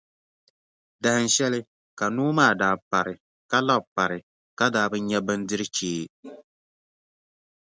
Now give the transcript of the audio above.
Dahinshɛli ka noo maa daa pari ka labi pari ka daa bi nya bindirʼ chee.